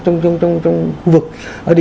trong khu vực này